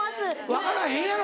分からへんやろ！